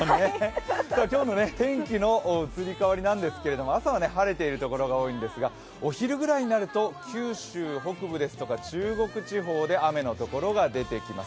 今日の天気の移り変わりですけど、朝は晴れてるところが多いんですがお昼ぐらいになると九州北部ですとか中国地方で雨のところが出てきます。